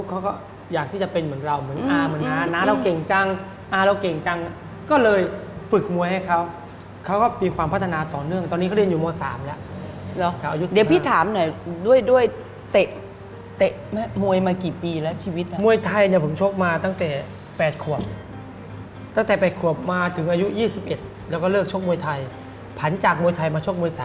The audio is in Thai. เขาก็อยากที่จะเป็นเหมือนเราเหมือนอาเหมือนน้าน้าเราเก่งจังอาเราเก่งจังก็เลยฝึกมวยให้เขาเขาก็มีความพัฒนาต่อเนื่องตอนนี้เขาเรียนอยู่ม๓แล้วอายุเดี๋ยวพี่ถามหน่อยด้วยด้วยเตะมวยมากี่ปีแล้วชีวิตนะมวยไทยเนี่ยผมชกมาตั้งแต่๘ขวบตั้งแต่๘ขวบมาถึงอายุ๒๑แล้วก็เลิกชกมวยไทยผันจากมวยไทยมาชกมวย๓